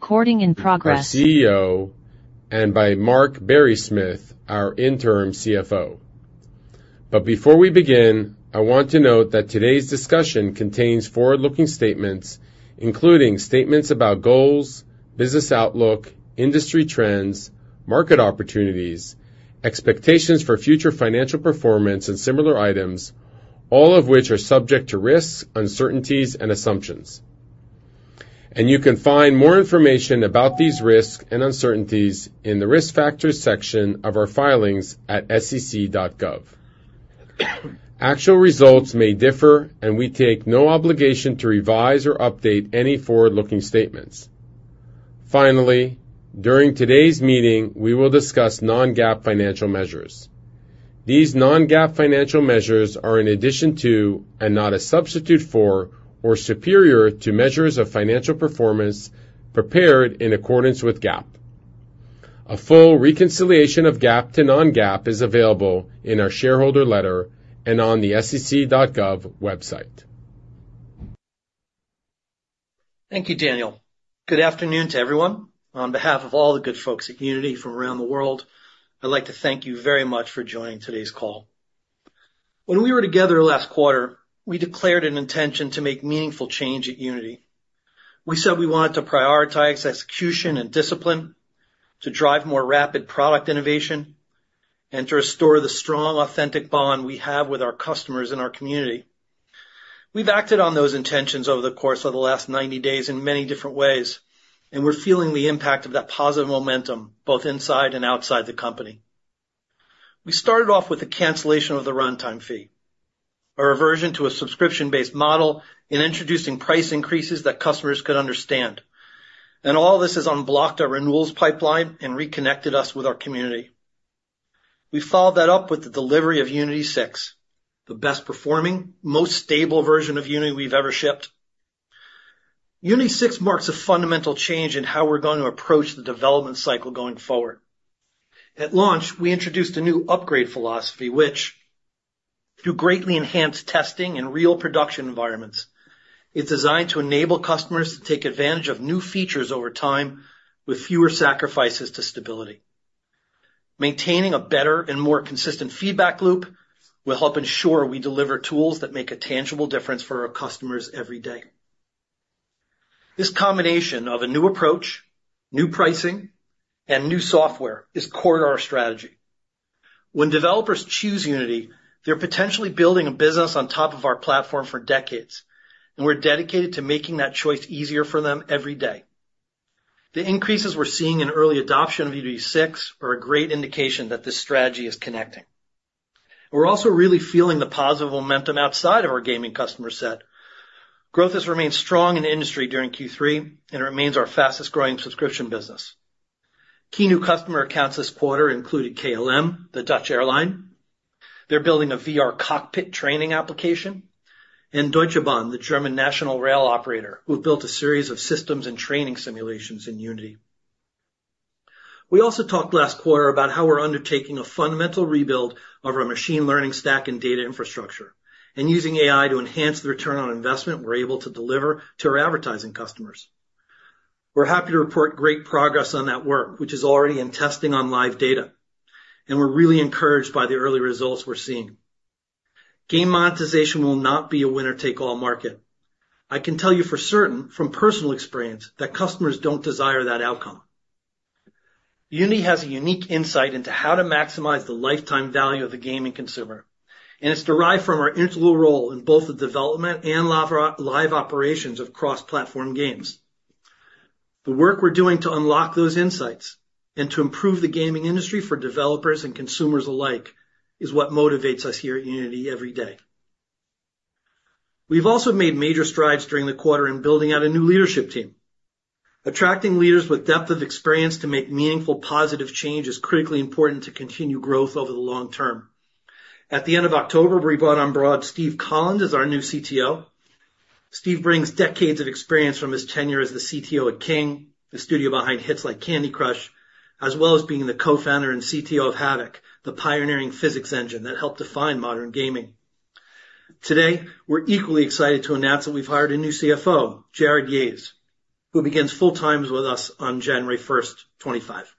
Recording in progress. By CEO and by Mark Barrysmith, our Interim CFO, but before we begin, I want to note that today's discussion contains forward-looking statements, including statements about goals, business outlook, industry trends, market opportunities, expectations for future financial performance, and similar items, all of which are subject to risks, uncertainties, and assumptions, and you can find more information about these risks and uncertainties in the risk factors section of our filings at SEC.gov. Actual results may differ, and we take no obligation to revise or update any forward-looking statements. Finally, during today's meeting, we will discuss non-GAAP financial measures. These non-GAAP financial measures are in addition to, and not a substitute for, or superior to measures of financial performance prepared in accordance with GAAP. A full reconciliation of GAAP to non-GAAP is available in our shareholder letter and on the SEC.gov website. Thank you, Daniel. Good afternoon to everyone. On behalf of all the good folks at Unity from around the world, I'd like to thank you very much for joining today's call. When we were together last quarter, we declared an intention to make meaningful change at Unity. We said we wanted to prioritize execution and discipline to drive more rapid product innovation and to restore the strong, authentic bond we have with our customers and our community. We've acted on those intentions over the course of the last 90 days in many different ways, and we're feeling the impact of that positive momentum both inside and outside the company. We started off with the cancellation of the Runtime Fee, a reversion to a subscription-based model, and introducing price increases that customers could understand. And all of this has unblocked our renewals pipeline and reconnected us with our community. We followed that up with the delivery of Unity 6, the best-performing, most stable version of Unity we've ever shipped. Unity 6 marks a fundamental change in how we're going to approach the development cycle going forward. At launch, we introduced a new upgrade philosophy, which, through greatly enhanced testing and real production environments, is designed to enable customers to take advantage of new features over time with fewer sacrifices to stability. Maintaining a better and more consistent feedback loop will help ensure we deliver tools that make a tangible difference for our customers every day. This combination of a new approach, new pricing, and new software is core to our strategy. When developers choose Unity, they're potentially building a business on top of our platform for decades, and we're dedicated to making that choice easier for them every day. The increases we're seeing in early adoption of Unity 6 are a great indication that this strategy is connecting. We're also really feeling the positive momentum outside of our gaming customer set. Growth has remained strong in the industry during Q3, and it remains our fastest-growing subscription business. Key new customer accounts this quarter include KLM, the Dutch airline. They're building a VR cockpit training application, and Deutsche Bahn, the German national rail operator, who have built a series of systems and training simulations in Unity. We also talked last quarter about how we're undertaking a fundamental rebuild of our machine learning stack and data infrastructure and using AI to enhance the return on investment we're able to deliver to our advertising customers. We're happy to report great progress on that work, which is already in testing on live data, and we're really encouraged by the early results we're seeing. Game monetization will not be a winner-take-all market. I can tell you for certain, from personal experience, that customers don't desire that outcome. Unity has a unique insight into how to maximize the lifetime value of the gaming consumer, and it's derived from our integral role in both the development and live operations of cross-platform games. The work we're doing to unlock those insights and to improve the gaming industry for developers and consumers alike is what motivates us here at Unity every day. We've also made major strides during the quarter in building out a new leadership team. Attracting leaders with depth of experience to make meaningful, positive change is critically important to continue growth over the long term. At the end of October, we brought on board Steve Collins as our new CTO. Steve brings decades of experience from his tenure as the CTO at King, the studio behind hits like Candy Crush, as well as being the co-founder and CTO of Havok, the pioneering physics engine that helped define modern gaming. Today, we're equally excited to announce that we've hired a new CFO, Jarrod Yahes, who begins full-time with us on January 1st, 2025.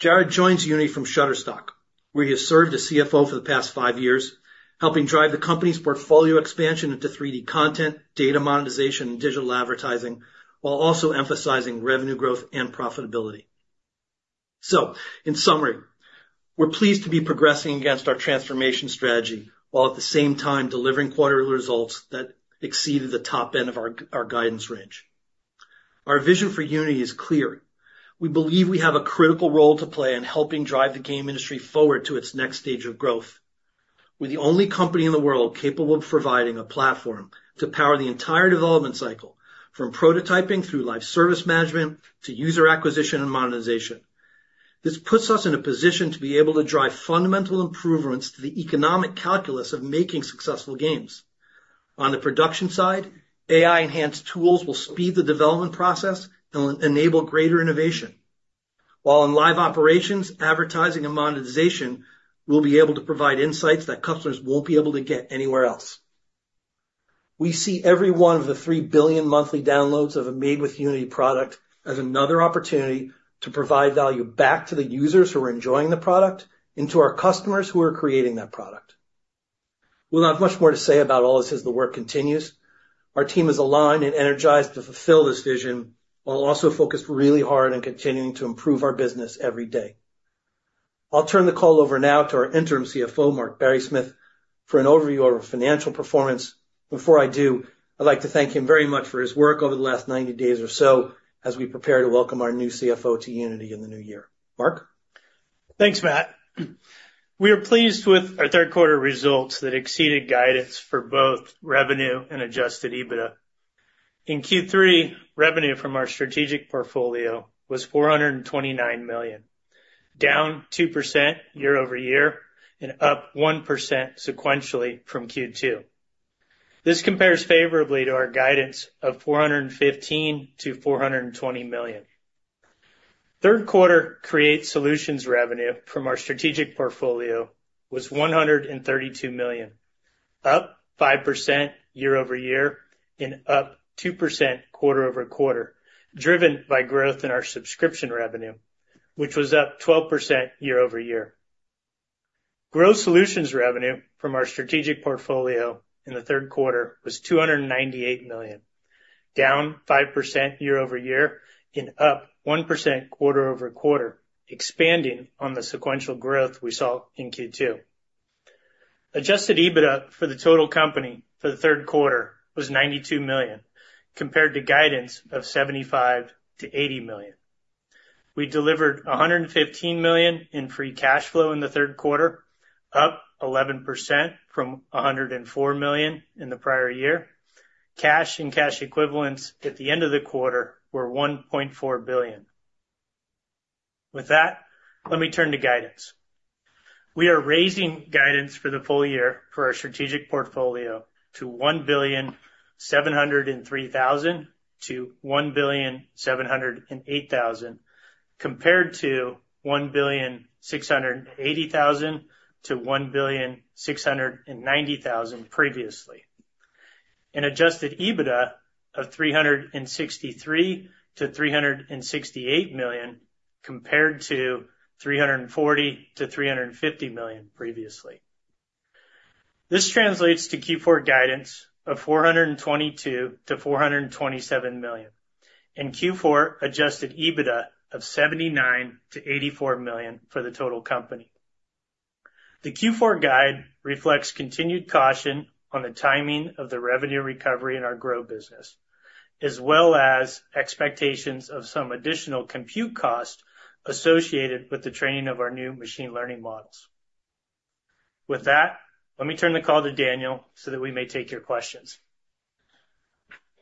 Jarrod joins Unity from Shutterstock, where he has served as CFO for the past five years, helping drive the company's portfolio expansion into 3D content, data monetization, and digital advertising, while also emphasizing revenue growth and profitability. So, in summary, we're pleased to be progressing against our transformation strategy while at the same time delivering quarterly results that exceeded the top end of our guidance range. Our vision for Unity is clear. We believe we have a critical role to play in helping drive the game industry forward to its next stage of growth. We're the only company in the world capable of providing a platform to power the entire development cycle, from prototyping through live service management to user acquisition and monetization. This puts us in a position to be able to drive fundamental improvements to the economic calculus of making successful games. On the production side, AI-enhanced tools will speed the development process and will enable greater innovation. While in live operations, advertising and monetization will be able to provide insights that customers won't be able to get anywhere else. We see every one of the 3 billion monthly downloads of a made-with-Unity product as another opportunity to provide value back to the users who are enjoying the product and to our customers who are creating that product. We'll have much more to say about all this as the work continues. Our team is aligned and energized to fulfill this vision, while also focused really hard on continuing to improve our business every day. I'll turn the call over now to our interim CFO, Mark Barrysmith, for an overview of our financial performance. Before I do, I'd like to thank him very much for his work over the last 90 days or so as we prepare to welcome our new CFO to Unity in the new year. Mark? Thanks, Matt. We are pleased with our third-quarter results that exceeded guidance for both revenue and Adjusted EBITDA. In Q3, revenue from our strategic portfolio was $429 million, down 2% year-over-year and up 1% sequentially from Q2. This compares favorably to our guidance of $415-$420 million. Third-quarter Create Solutions revenue from our strategic portfolio was $132 million, up 5% year-over-year and up 2% quarter-over-quarter, driven by growth in our subscription revenue, which was up 12% year-over-year. Grow Solutions revenue from our strategic portfolio in the third quarter was $298 million, down 5% year-over-year and up 1% quarter-over-quarter, expanding on the sequential growth we saw in Q2. Adjusted EBITDA for the total company for the third quarter was $92 million, compared to guidance of $75-$80 million. We delivered $115 million in free cash flow in the third quarter, up 11% from $104 million in the prior year. Cash and cash equivalents at the end of the quarter were $1.4 billion. With that, let me turn to guidance. We are raising guidance for the full year for our strategic portfolio to $1,703 million-$1,708 million compared to $1,680 million-$1,690 million previously, and adjusted EBITDA of $363-$368 million, compared to $340-$350 million previously. This translates to Q4 guidance of $422-$427 million, and Q4 adjusted EBITDA of $79-$84 million for the total company. The Q4 guide reflects continued caution on the timing of the revenue recovery in our Grow business, as well as expectations of some additional compute cost associated with the training of our new machine learning models. With that, let me turn the call to Daniel so that we may take your questions.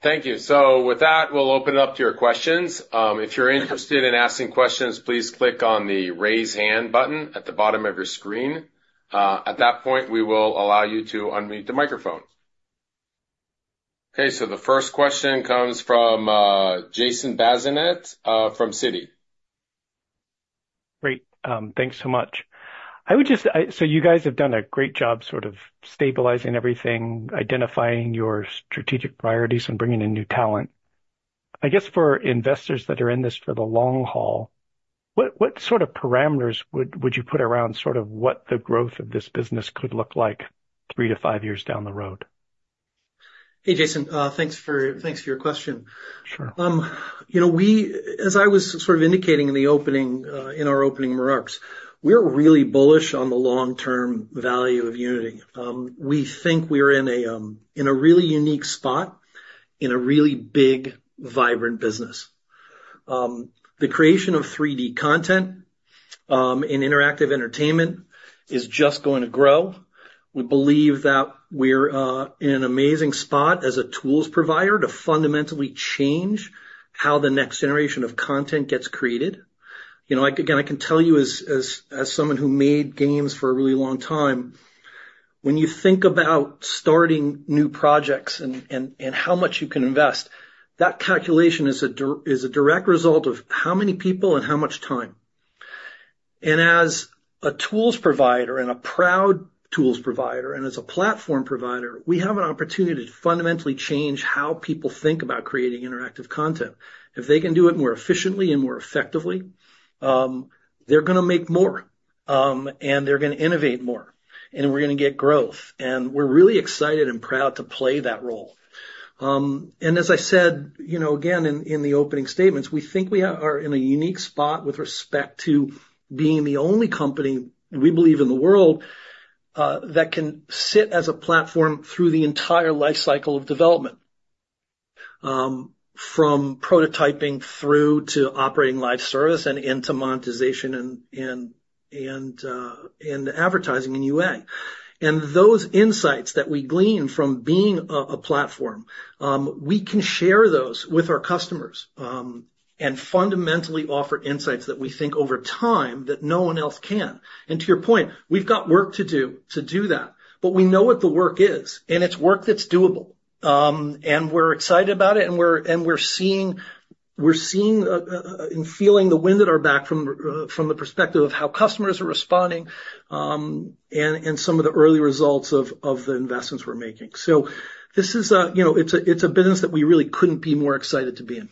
Thank you. So with that, we'll open it up to your questions. If you're interested in asking questions, please click on the raise hand button at the bottom of your screen. At that point, we will allow you to unmute the microphone. Okay. So the first question comes from Jason Bazinet from Citi. Great. Thanks so much. I would just, so you guys have done a great job sort of stabilizing everything, identifying your strategic priorities, and bringing in new talent. I guess for investors that are in this for the long haul, what sort of parameters would you put around sort of what the growth of this business could look like three to five years down the road? Hey, Jason, thanks for your question. Sure. As I was sort of indicating in our opening remarks, we're really bullish on the long-term value of Unity. We think we're in a really unique spot in a really big, vibrant business. The creation of 3D content and interactive entertainment is just going to grow. We believe that we're in an amazing spot as a tools provider to fundamentally change how the next generation of content gets created. Again, I can tell you as someone who made games for a really long time, when you think about starting new projects and how much you can invest, that calculation is a direct result of how many people and how much time, and as a tools provider and a proud tools provider and as a platform provider, we have an opportunity to fundamentally change how people think about creating interactive content. If they can do it more efficiently and more effectively, they're going to make more, and they're going to innovate more, and we're going to get growth. And we're really excited and proud to play that role. And as I said, again, in the opening statements, we think we are in a unique spot with respect to being the only company we believe in the world that can sit as a platform through the entire life cycle of development, from prototyping through to operating live service and into monetization and advertising in UA. And those insights that we glean from being a platform, we can share those with our customers and fundamentally offer insights that we think over time that no one else can. And to your point, we've got work to do to do that, but we know what the work is, and it's work that's doable. And we're excited about it, and we're seeing and feeling the wind at our back from the perspective of how customers are responding and some of the early results of the investments we're making. So this is a business that we really couldn't be more excited to be in.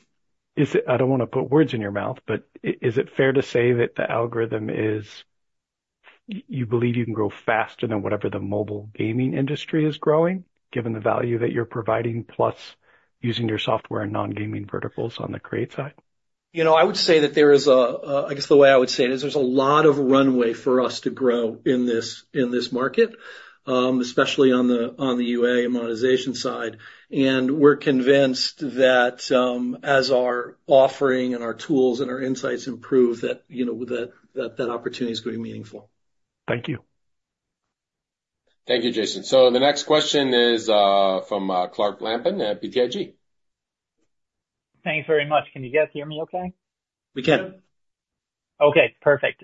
I don't want to put words in your mouth, but is it fair to say that the algorithm is—you believe you can grow faster than whatever the mobile gaming industry is growing, given the value that you're providing plus using your software and non-gaming verticals on the Create side? I would say that there is a—I guess the way I would say it is there's a lot of runway for us to grow in this market, especially on the UA and monetization side. And we're convinced that as our offering and our tools and our insights improve, that that opportunity is going to be meaningful. Thank you. Thank you, Jason. So the next question is from Clark Lampen at BTIG. Thanks very much. Can you guys hear me okay? We can. Okay. Perfect.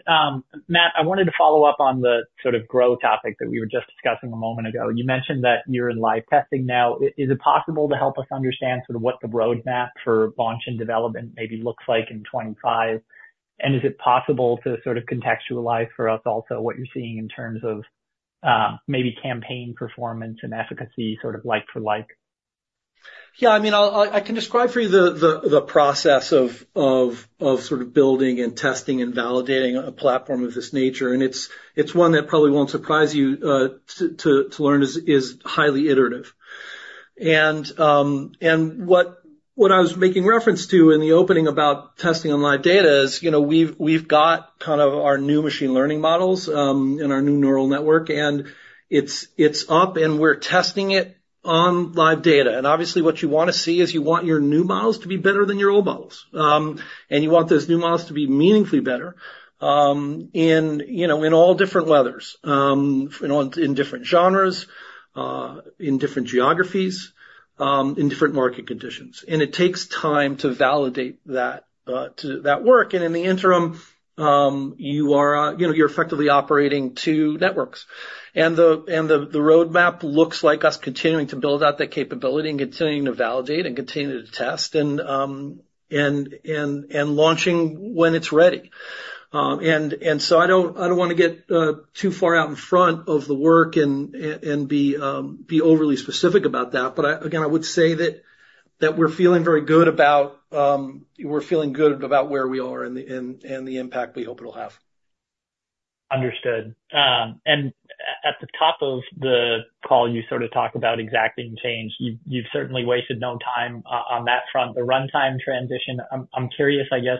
Matt, I wanted to follow up on the sort of Grow topic that we were just discussing a moment ago. You mentioned that you're in live testing now. Is it possible to help us understand sort of what the roadmap for launch and development maybe looks like in 2025? And is it possible to sort of contextualize for us also what you're seeing in terms of maybe campaign performance and efficacy sort of like for like? Yeah. I mean, I can describe for you the process of sort of building and testing and validating a platform of this nature. And it's one that probably won't surprise you to learn is highly iterative. And what I was making reference to in the opening about testing on live data is we've got kind of our new machine learning models and our new neural network, and it's up, and we're testing it on live data. And obviously, what you want to see is you want your new models to be better than your old models. And you want those new models to be meaningfully better in all different weathers, in different genres, in different geographies, in different market conditions. And it takes time to validate that work. And in the interim, you're effectively operating two networks. And the roadmap looks like us continuing to build out that capability and continuing to validate and continuing to test and launching when it's ready. And so I don't want to get too far out in front of the work and be overly specific about that. But again, I would say that we're feeling very good about - we're feeling good about where we are and the impact we hope it'll have. Understood. And at the top of the call, you sort of talk about effecting change. You've certainly wasted no time on that front. The Runtime transition, I'm curious, I guess.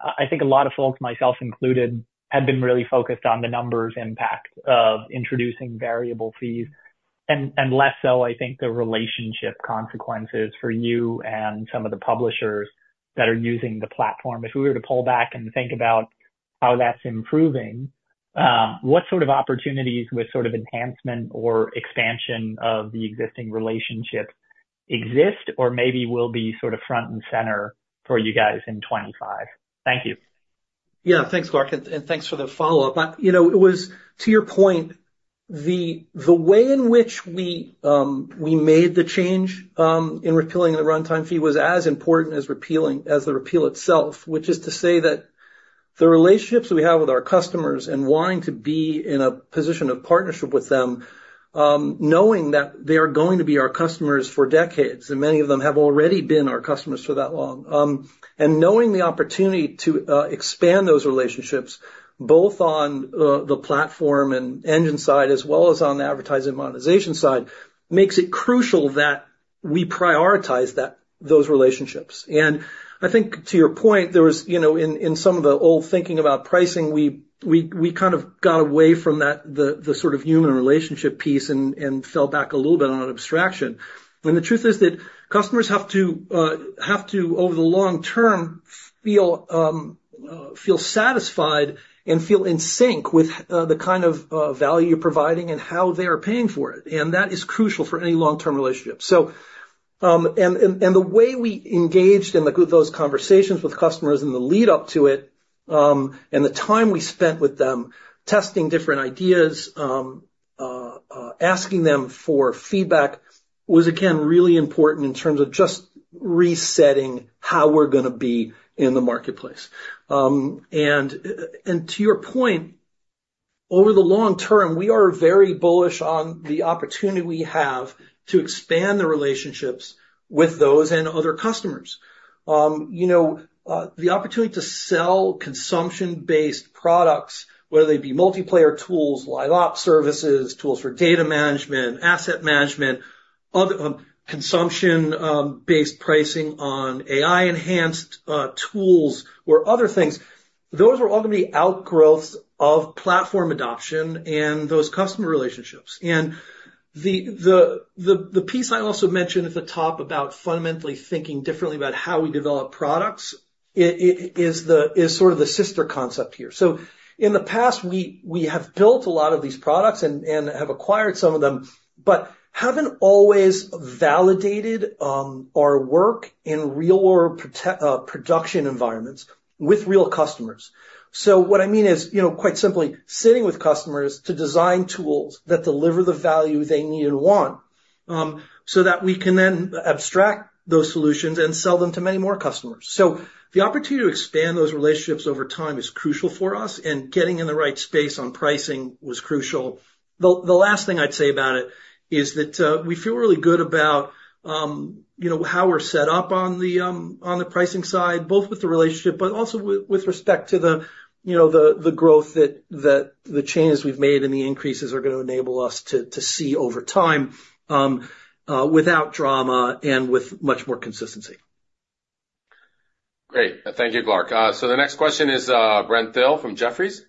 I think a lot of folks, myself included, had been really focused on the numbers impact of introducing variable fees and less so, I think, the relationship consequences for you and some of the publishers that are using the platform. If we were to pull back and think about how that's improving, what sort of opportunities with sort of enhancement or expansion of the existing relationship exist or maybe will be sort of front and center for you guys in 2025? Thank you. Yeah. Thanks, Clark, and thanks for the follow-up. It was, to your point, the way in which we made the change in repealing the Runtime Fee was as important as the repeal itself, which is to say that the relationships we have with our customers and wanting to be in a position of partnership with them, knowing that they are going to be our customers for decades, and many of them have already been our customers for that long, and knowing the opportunity to expand those relationships both on the platform and engine side as well as on the advertising monetization side makes it crucial that we prioritize those relationships, and I think, to your point, in some of the old thinking about pricing, we kind of got away from the sort of human relationship piece and fell back a little bit on an abstraction. The truth is that customers have to, over the long term, feel satisfied and feel in sync with the kind of value you're providing and how they are paying for it. That is crucial for any long-term relationship. The way we engaged in those conversations with customers in the lead-up to it and the time we spent with them testing different ideas, asking them for feedback was, again, really important in terms of just resetting how we're going to be in the marketplace. To your point, over the long term, we are very bullish on the opportunity we have to expand the relationships with those and other customers. The opportunity to sell consumption-based products, whether they be multiplayer tools, LiveOps services, tools for data management, asset management, consumption-based pricing on AI-enhanced tools or other things, those are all going to be outgrowths of platform adoption and those customer relationships, and the piece I also mentioned at the top about fundamentally thinking differently about how we develop products is sort of the sister concept here, so in the past, we have built a lot of these products and have acquired some of them, but haven't always validated our work in real-world production environments with real customers, so what I mean is, quite simply, sitting with customers to design tools that deliver the value they need and want so that we can then abstract those solutions and sell them to many more customers. So the opportunity to expand those relationships over time is crucial for us, and getting in the right space on pricing was crucial. The last thing I'd say about it is that we feel really good about how we're set up on the pricing side, both with the relationship, but also with respect to the growth that the changes we've made and the increases are going to enable us to see over time without drama and with much more consistency. Great. Thank you, Clark. So the next question is Brent Thill from Jefferies.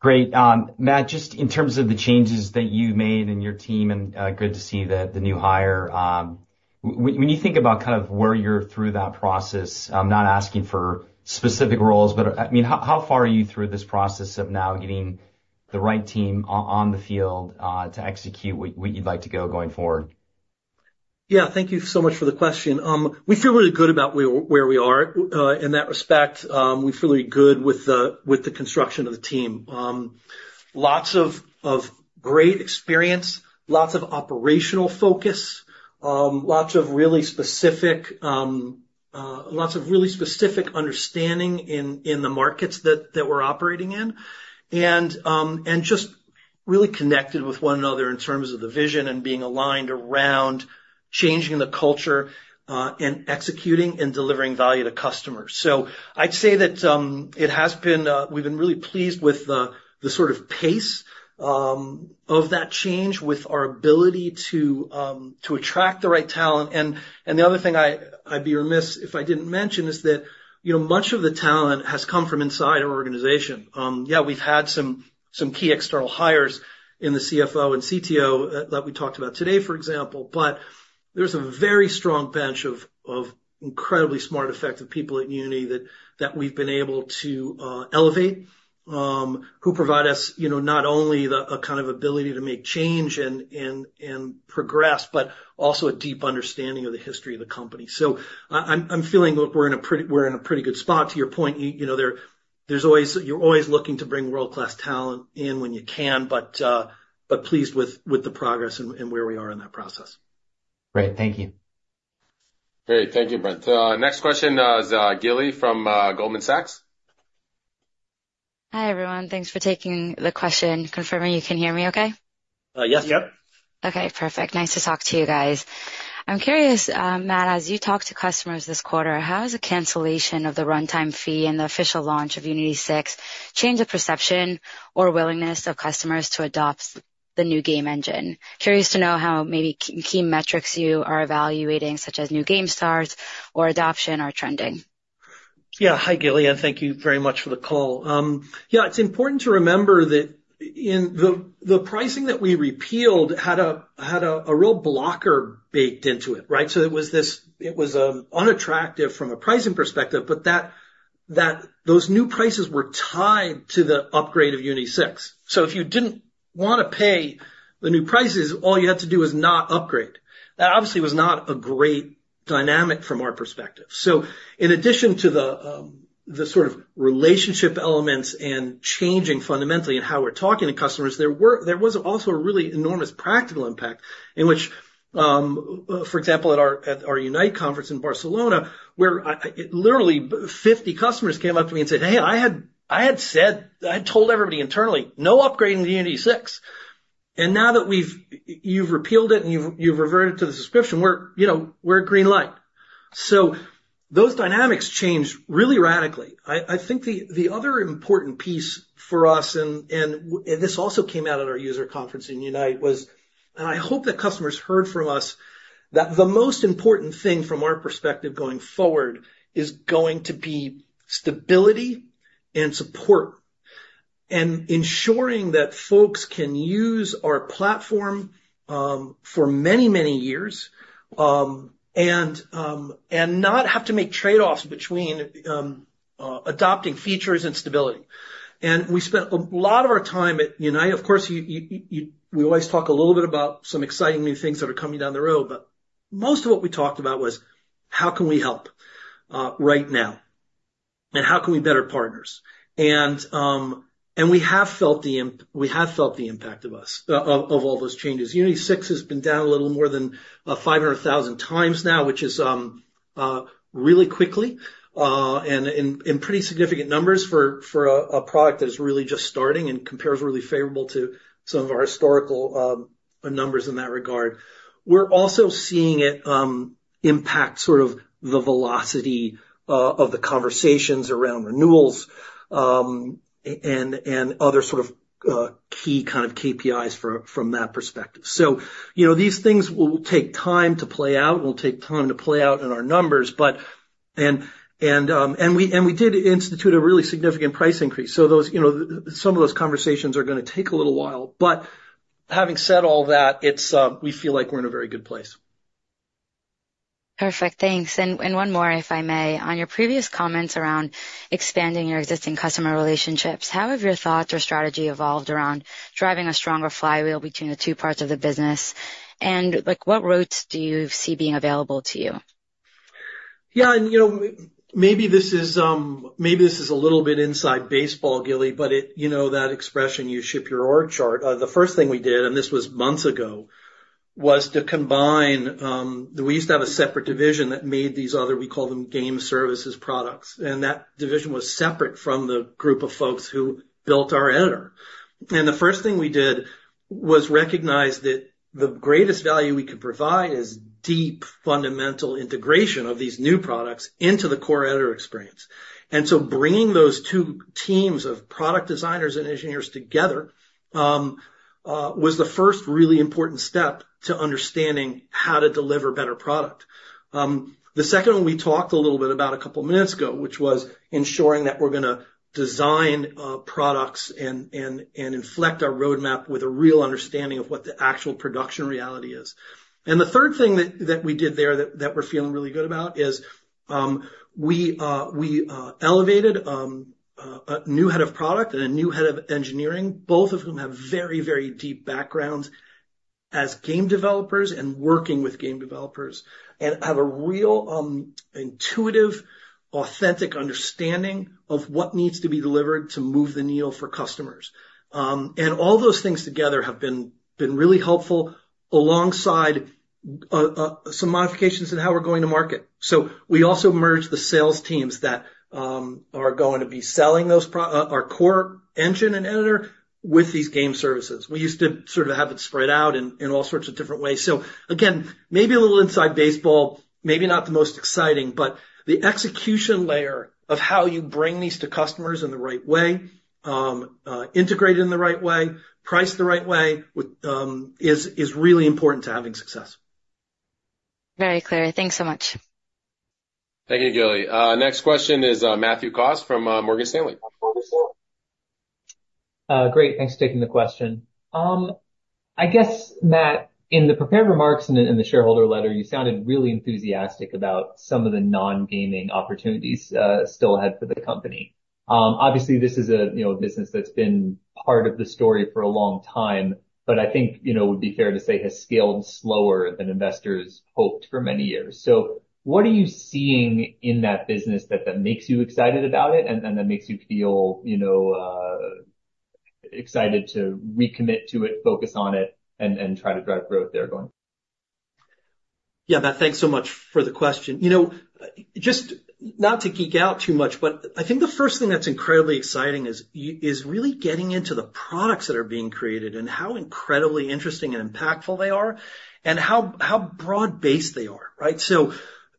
Great. Matt, just in terms of the changes that you made and your team, and good to see the new hire, when you think about kind of where you're through that process, I'm not asking for specific roles, but I mean, how far are you through this process of now getting the right team on the field to execute what you'd like to going forward? Yeah. Thank you so much for the question. We feel really good about where we are in that respect. We feel really good with the construction of the team. Lots of great experience, lots of operational focus, lots of really specific understanding in the markets that we're operating in, and just really connected with one another in terms of the vision and being aligned around changing the culture and executing and delivering value to customers. So I'd say that it has been. We've been really pleased with the sort of pace of that change with our ability to attract the right talent. And the other thing I'd be remiss if I didn't mention is that much of the talent has come from inside our organization. Yeah, we've had some key external hires in the CFO and CTO that we talked about today, for example, but there's a very strong bench of incredibly smart, effective people at Unity that we've been able to elevate who provide us not only a kind of ability to make change and progress, but also a deep understanding of the history of the company. So I'm feeling we're in a pretty good spot. To your point, you're always looking to bring world-class talent in when you can, but pleased with the progress and where we are in that process. Great. Thank you. Great. Thank you, Brent. Next question is Gili from Goldman Sachs. Hi everyone. Thanks for taking the question. Confirming you can hear me okay? Yes. Yep. Okay. Perfect. Nice to talk to you guys. I'm curious, Matt, as you talk to customers this quarter, how has the cancellation of the Runtime Fee and the official launch of Unity 6 changed the perception or willingness of customers to adopt the new game engine? Curious to know how maybe key metrics you are evaluating, such as new game starts or adoption are trending. Yeah. Hi, Gili, and thank you very much for the call. Yeah, it's important to remember that the pricing that we repealed had a real blocker baked into it, right? So it was unattractive from a pricing perspective, but those new prices were tied to the upgrade of Unity 6. So if you didn't want to pay the new prices, all you had to do was not upgrade. That obviously was not a great dynamic from our perspective. So in addition to the sort of relationship elements and changing fundamentally in how we're talking to customers, there was also a really enormous practical impact in which, for example, at our Unite conference in Barcelona, where literally 50 customers came up to me and said, "Hey, I had told everybody internally, no upgrading to Unity 6. And now that you've repealed it and you've reverted to the subscription, we're a green light." So those dynamics changed really radically. I think the other important piece for us, and this also came out at our user conference in Unite, was, and I hope that customers heard from us, that the most important thing from our perspective going forward is going to be stability and support and ensuring that folks can use our platform for many, many years and not have to make trade-offs between adopting features and stability. We spent a lot of our time at Unite. Of course, we always talk a little bit about some exciting new things that are coming down the road, but most of what we talked about was, how can we help right now? And how can we be better partners? We have felt the impact of all those changes. Unity 6 has been down a little more than 500,000 times now, which is really quickly and in pretty significant numbers for a product that is really just starting and compares really favorably to some of our historical numbers in that regard. We're also seeing it impact sort of the velocity of the conversations around renewals and other sort of key kind of KPIs from that perspective, so these things will take time to play out, and we'll take time to play out in our numbers, and we did institute a really significant price increase, so some of those conversations are going to take a little while, but having said all that, we feel like we're in a very good place. Perfect. Thanks. And one more, if I may. On your previous comments around expanding your existing customer relationships, how have your thoughts or strategy evolved around driving a stronger flywheel between the two parts of the business? And what routes do you see being available to you? Yeah. And maybe this is a little bit inside baseball, Gili, but that expression, you ship your org chart. The first thing we did, and this was months ago, was to combine. We used to have a separate division that made these other. We call them game services products. And that division was separate from the group of folks who built our editor. And the first thing we did was recognize that the greatest value we could provide is deep fundamental integration of these new products into the core editor experience. And so bringing those two teams of product designers and engineers together was the first really important step to understanding how to deliver better product. The second one we talked a little bit about a couple of minutes ago, which was ensuring that we're going to design products and inflect our roadmap with a real understanding of what the actual production reality is. And the third thing that we did there that we're feeling really good about is we elevated a new head of product and a new head of engineering, both of whom have very, very deep backgrounds as game developers and working with game developers, and have a real intuitive, authentic understanding of what needs to be delivered to move the needle for customers. And all those things together have been really helpful alongside some modifications in how we're going to market. So we also merged the sales teams that are going to be selling our core engine and editor with these game services. We used to sort of have it spread out in all sorts of different ways. So again, maybe a little inside baseball, maybe not the most exciting, but the execution layer of how you bring these to customers in the right way, integrate it in the right way, price the right way is really important to having success. Very clear. Thanks so much. Thank you, Gili. Next question is Matthew Cost from Morgan Stanley. Great. Thanks for taking the question. I guess, Matt, in the prepared remarks and in the shareholder letter, you sounded really enthusiastic about some of the non-gaming opportunities still ahead for the company. Obviously, this is a business that's been part of the story for a long time, but I think it would be fair to say has scaled slower than investors hoped for many years. So what are you seeing in that business that makes you excited about it and that makes you feel excited to recommit to it, focus on it, and try to drive growth there going? Yeah, Matt, thanks so much for the question. Just not to geek out too much, but I think the first thing that's incredibly exciting is really getting into the products that are being created and how incredibly interesting and impactful they are and how broad-based they are, right? So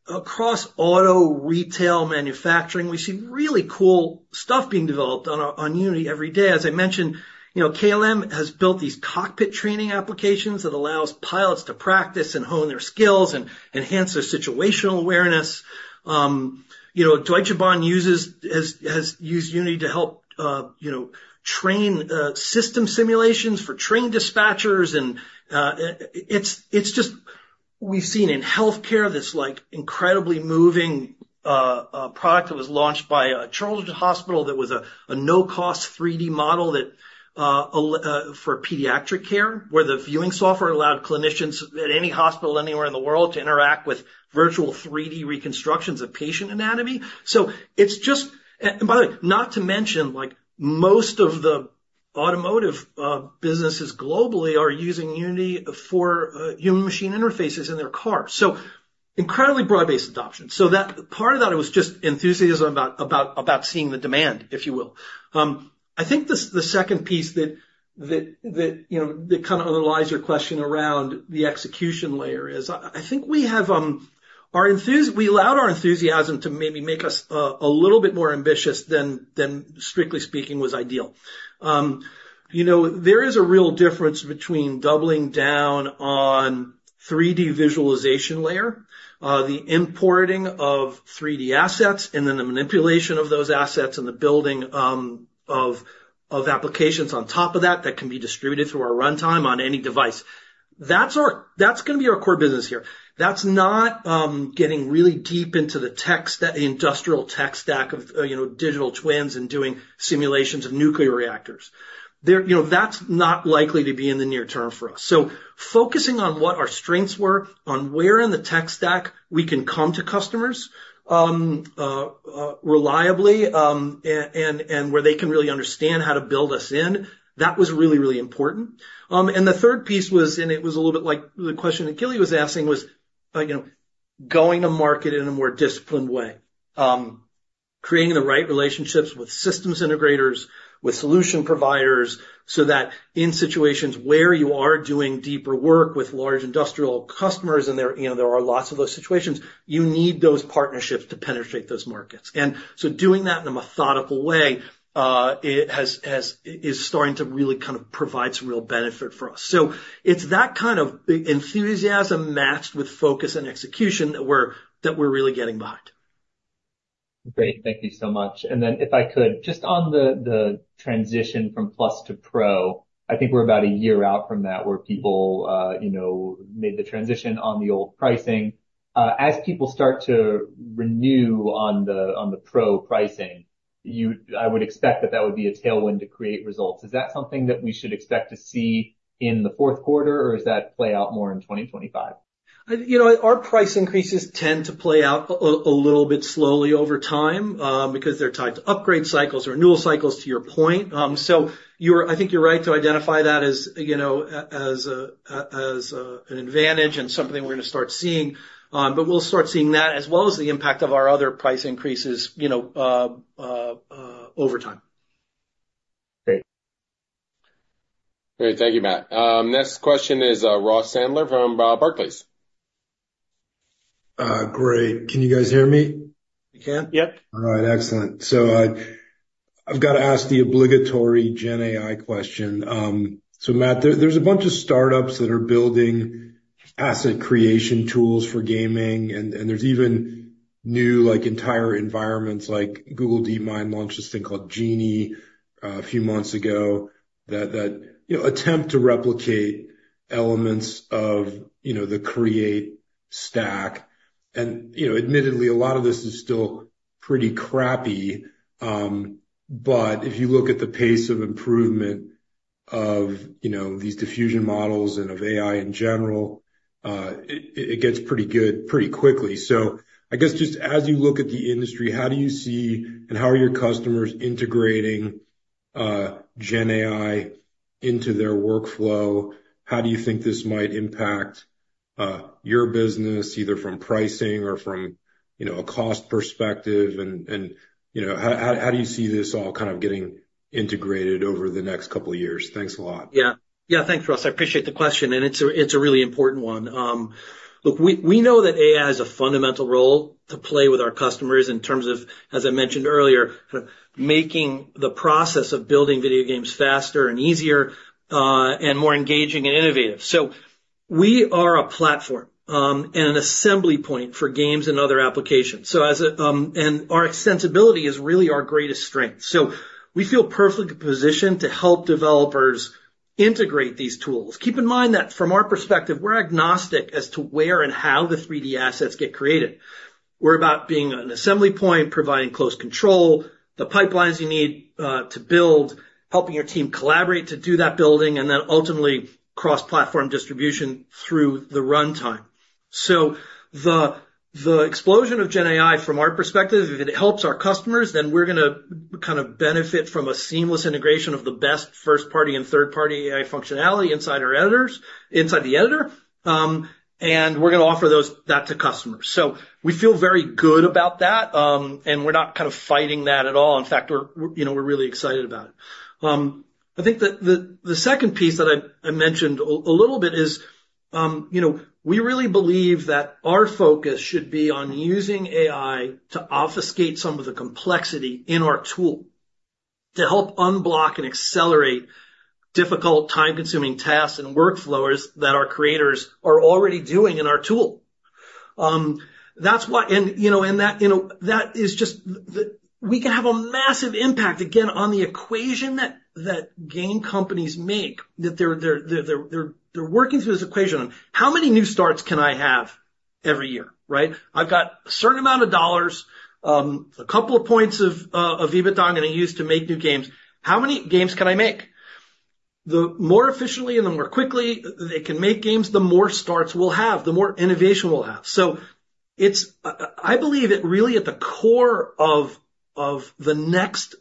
across auto, retail, manufacturing, we see really cool stuff being developed on Unity every day. As I mentioned, KLM has built these cockpit training applications that allow pilots to practice and hone their skills and enhance their situational awareness. Deutsche Bahn has used Unity to help train system simulations for trained dispatchers. And it's just we've seen in healthcare this incredibly moving product that was launched by a chartered hospital that was a no-cost 3D model for pediatric care where the viewing software allowed clinicians at any hospital anywhere in the world to interact with virtual 3D reconstructions of patient anatomy. It's just, and by the way, not to mention most of the automotive businesses globally are using Unity for human-machine interfaces in their cars, so incredibly broad-based adoption, so part of that was just enthusiasm about seeing the demand, if you will. I think the second piece that kind of underlies your question around the execution layer is I think we allowed our enthusiasm to maybe make us a little bit more ambitious than, strictly speaking, was ideal. There is a real difference between doubling down on 3D visualization layer, the importing of 3D assets, and then the manipulation of those assets and the building of applications on top of that that can be distributed through our Runtime on any device. That's going to be our core business here. That's not getting really deep into the industrial tech stack of digital twins and doing simulations of nuclear reactors. That's not likely to be in the near term for us. So focusing on what our strengths were, on where in the tech stack we can come to customers reliably and where they can really understand how to build us in, that was really, really important. And the third piece was, and it was a little bit like the question that Gili was asking, was going to market in a more disciplined way, creating the right relationships with systems integrators, with solution providers so that in situations where you are doing deeper work with large industrial customers and there are lots of those situations, you need those partnerships to penetrate those markets. And so doing that in a methodical way is starting to really kind of provide some real benefit for us. So it's that kind of enthusiasm matched with focus and execution that we're really gettin behind. Great. Thank you so much. And then if I could, just on the transition from Plus to Pro, I think we're about a year out from that where people made the transition on the old pricing. As people start to renew on the Pro pricing, I would expect that that would be a tailwind to Create results. Is that something that we should expect to see in the fourth quarter, or does that play out more in 2025? Our price increases tend to play out a little bit slowly over time because they're tied to upgrade cycles, renewal cycles, to your point. So I think you're right to identify that as an advantage and something we're going to start seeing. But we'll start seeing that as well as the impact of our other price increases over time. Great. Great. Thank you, Matt. Next question is Ross Sandler from Barclays. Great. Can you guys hear me? We can. Yep. All right. Excellent. So I've got to ask the obligatory GenAI question. So Matt, there's a bunch of startups that are building asset creation tools for gaming. And there's even new entire environments like Google DeepMind launched this thing called Genie a few months ago that attempt to replicate elements of the Create stack. And admittedly, a lot of this is still pretty crappy. But if you look at the pace of improvement of these diffusion models and of AI in general, it gets pretty good pretty quickly. So I guess just as you look at the industry, how do you see and how are your customers integrating GenAI into their workflow? How do you think this might impact your business, either from pricing or from a cost perspective? And how do you see this all kind of getting integrated over the next couple of years? Thanks a lot. Yeah. Yeah. Thanks, Ross. I appreciate the question. And it's a really important one. Look, we know that AI has a fundamental role to play with our customers in terms of, as I mentioned earlier, kind of making the process of building video games faster and easier and more engaging and innovative. So we are a platform and an assembly point for games and other applications. And our extensibility is really our greatest strength. So we feel perfectly positioned to help developers integrate these tools. Keep in mind that from our perspective, we're agnostic as to where and how the 3D assets get created. We're about being an assembly point, providing close control, the pipelines you need to build, helping your team collaborate to do that building, and then ultimately cross-platform distribution through the Runtime. So the explosion of GenAI, from our perspective, if it helps our customers, then we're going to kind of benefit from a seamless integration of the best first-party and third-party AI functionality inside the editor. And we're going to offer that to customers. So we feel very good about that. And we're not kind of fighting that at all. In fact, we're really excited about it. I think the second piece that I mentioned a little bit is we really believe that our focus should be on using AI to obfuscate some of the complexity in our tool to help unblock and accelerate difficult, time-consuming tasks and workflows that our creators are already doing in our tool. And that is just we can have a massive impact, again, on the equation that game companies make that they're working through this equation on. How many new starts can I have every year, right? I've got a certain amount of dollars, a couple of points of EBITDA I'm going to use to make new games. How many games can I make? The more efficiently and the more quickly they can make games, the more starts we'll have, the more innovation we'll have. So I believe it really at the core of the next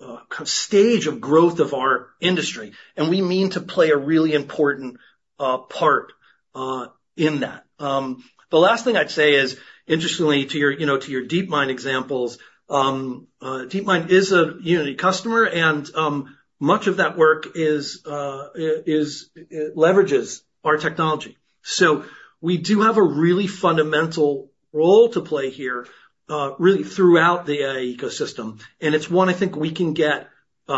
kind of stage of growth of our industry. And we mean to play a really important part in that. The last thing I'd say is, interestingly, to your DeepMind examples, DeepMind is a Unity customer, and much of that work leverages our technology. So we do have a really fundamental role to play here really throughout the AI ecosystem. And it's one I think we can get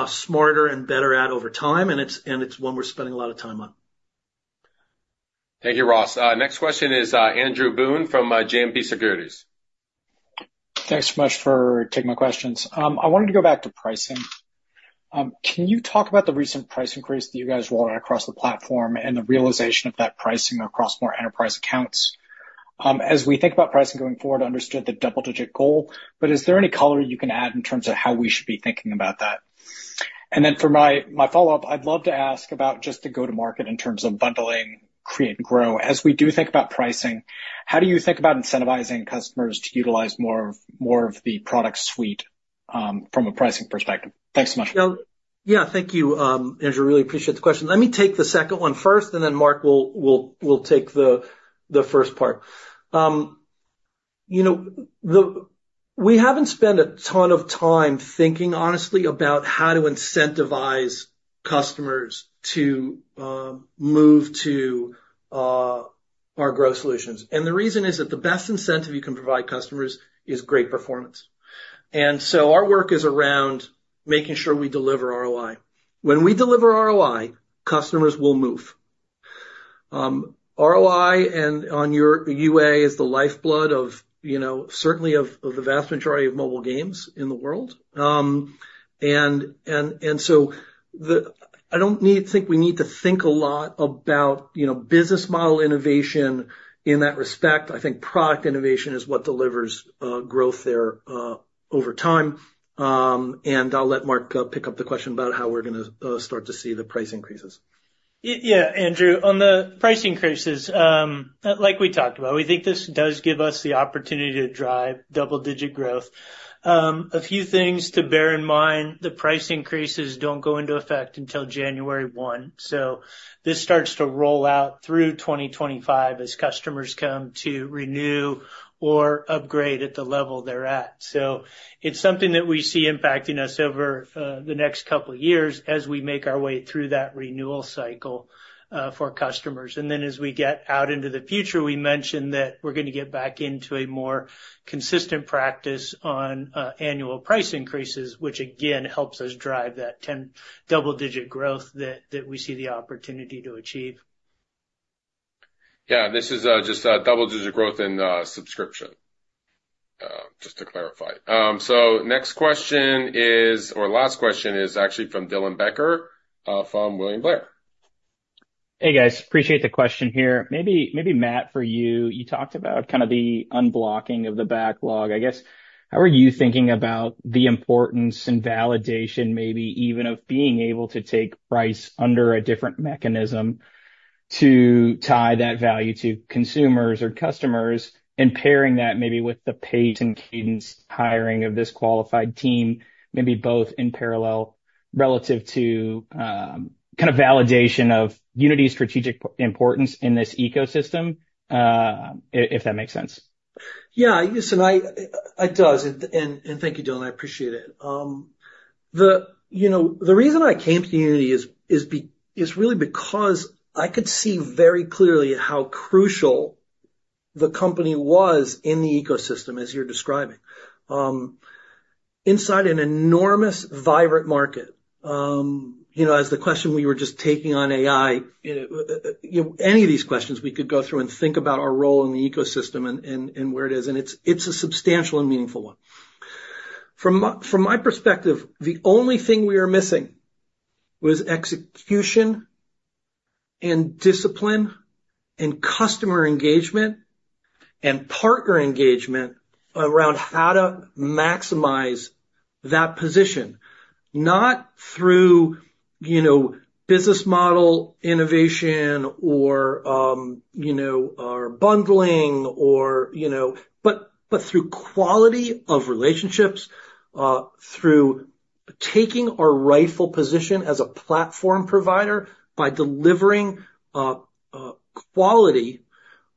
smarter and better at over time. It's one we're spending a lot of time on. Thank you, Ross. Next question is Andrew Boone from JMP Securities. Thanks so much for taking my questions. I wanted to go back to pricing. Can you talk about the recent price increase that you guys wanted across the platform and the realization of that pricing across more enterprise accounts? As we think about pricing going forward, understood the double-digit goal. But is there any color you can add in terms of how we should be thinking about that? And then for my follow-up, I'd love to ask about just the go-to-market in terms of bundling, Create, and Grow. As we do think about pricing, how do you think about incentivizing customers to utilize more of the product suite from a pricing perspective? Thanks so much. Yeah. Thank you, Andrew. Really appreciate the question. Let me take the second one first, and then Mark will take the first part. We haven't spent a ton of time thinking, honestly, about how to incentivize customers to move to our growth solutions. And the reason is that the best incentive you can provide customers is great performance. And so our work is around making sure we deliver ROI. When we deliver ROI, customers will move. ROI on your UA is the lifeblood, certainly, of the vast majority of mobile games in the world. And so I don't think we need to think a lot about business model innovation in that respect. I think product innovation is what delivers growth there over time. And I'll let Mark pick up the question about how we're going to start to see the price increases. Yeah, Andrew. On the price increases, like we talked about, we think this does give us the opportunity to drive double-digit growth. A few things to bear in mind: the price increases don't go into effect until January 1. So this starts to roll out through 2025 as customers come to renew or upgrade at the level they're at. So it's something that we see impacting us over the next couple of years as we make our way through that renewal cycle for customers. And then as we get out into the future, we mentioned that we're going to get back into a more consistent practice on annual price increases, which again helps us drive that double-digit growth that we see the opportunity to achieve. Yeah. This is just double-digit growth in subscription, just to clarify. So next question is, or last question is actually from Dylan Becker from William Blair. Hey, guys. Appreciate the question here. Maybe Matt, for you, you talked about kind of the unblocking of the backlog. I guess how are you thinking about the importance and validation, maybe even of being able to take price under a different mechanism to tie that value to consumers or customers, and pairing that maybe with the pace and cadence hiring of this qualified team, maybe both in parallel relative to kind of validation of Unity's strategic importance in this ecosystem, if that makes sense? Yeah. Listen, it does, and thank you, Dylan. I appreciate it. The reason I came to Unity is really because I could see very clearly how crucial the company was in the ecosystem, as you're describing, inside an enormous vibrant market. As the question we were just taking on AI, any of these questions we could go through and think about our role in the ecosystem and where it is, and it's a substantial and meaningful one. From my perspective, the only thing we were missing was execution and discipline and customer engagement and partner engagement around how to maximize that position, not through business model innovation or bundling, but through quality of relationships, through taking our rightful position as a platform provider by delivering quality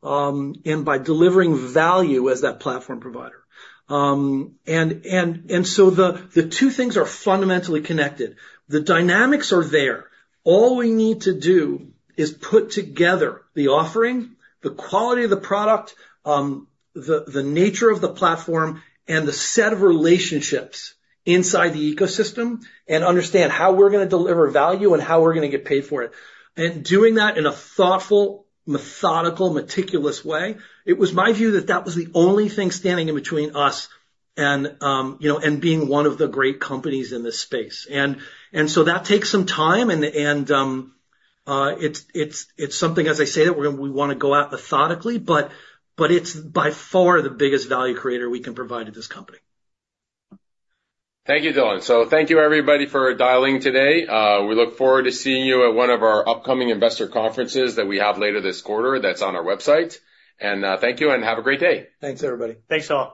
and by delivering value as that platform provider, and so the two things are fundamentally connected. The dynamics are there. All we need to do is put together the offering, the quality of the product, the nature of the platform, and the set of relationships inside the ecosystem and understand how we're going to deliver value and how we're going to get paid for it, and doing that in a thoughtful, methodical, meticulous way, it was my view that that was the only thing standing in between us and being one of the great companies in this space, and so that takes some time, and it's something, as I say, that we want to go at methodically, but it's by far the biggest value creator we can provide at this company. Thank you, Dylan. So thank you, everybody, for dialing today. We look forward to seeing you at one of our upcoming investor conferences that we have later this quarter that's on our website. And thank you and have a great day. Thanks, everybody. Thanks, all.